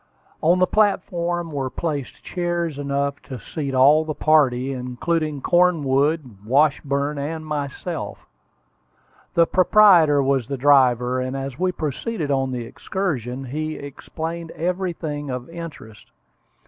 On the platform were placed chairs enough to seat all the party, including Cornwood, Washburn, and myself. The proprietor was the driver, and as we proceeded on the excursion, he explained everything of interest.